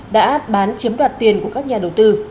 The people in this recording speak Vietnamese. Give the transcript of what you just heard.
đã bán chiếm đoạt tiền của các nhà đầu tư